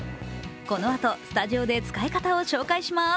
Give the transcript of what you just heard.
このあとスタジオで使い方を紹介します。